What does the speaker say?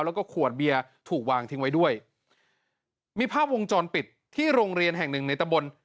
แล้วก็ขวดเบียร์ถูกวางทิ้งไว้ด้วยมีภาพวงจรปิดที่โรงเรียนแห่งหนึ่งในตะบน